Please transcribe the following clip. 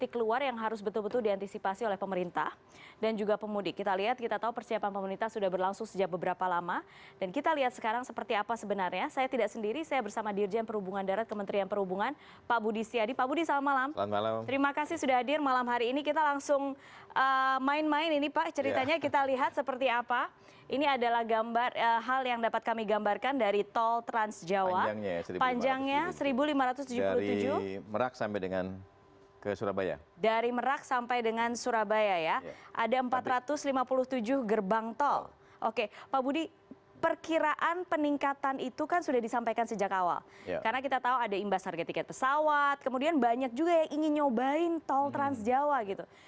karena kita tahu ada imbas harga tiket pesawat kemudian banyak juga yang ingin nyobain tol trans jawa gitu